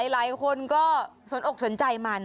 หลายคนก็สนอกสนใจมัน